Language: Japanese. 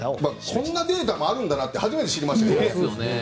こんなデータもあるんだなと初めて知りました。